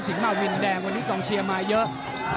มาวินแดงวันนี้กองเชียร์มาเยอะ